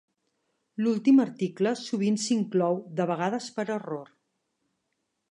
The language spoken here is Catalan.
L'últim article sovint s'inclou, de vegades per error.